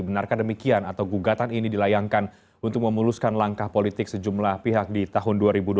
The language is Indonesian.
benarkan demikian atau gugatan ini dilayangkan untuk memuluskan langkah politik sejumlah pihak di tahun dua ribu dua puluh